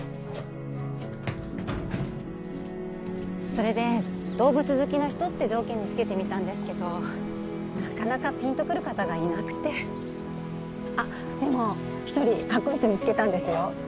それで動物好きの人って条件につけてみたんですけどなかなかピンとくる方がいなくてあっでも一人かっこいい人見つけたんですよ